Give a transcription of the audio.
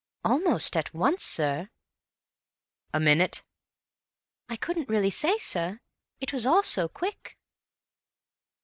"Almost at once, sir." "A minute?" "I couldn't really say, sir. It was so quick."